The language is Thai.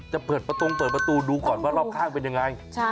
จะเปิดประตงเปิดประตูดูก่อนว่ารอบข้างเป็นยังไง